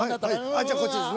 じゃこっちですね。